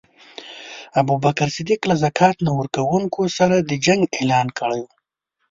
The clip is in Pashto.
ابوبکر صدیق له ذکات نه ورکونکو سره د جنګ اعلان کړی وو.